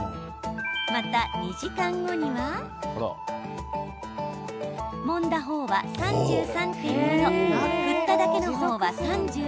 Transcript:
また２時間後にはもんだ方は３３．５度振っただけの方は３６度。